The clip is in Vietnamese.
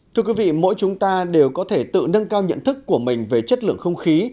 thưa quý vị mỗi chúng ta đều có thể tự nâng cao nhận thức của mình về chất lượng không khí